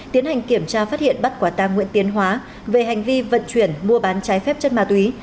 tiến hành kiểm tra phát hiện bắt quả tang nguyễn tiến hóa về hành vi vận chuyển mua bán trái phép chất ma túy